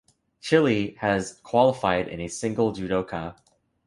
Chile has qualified a single judoka.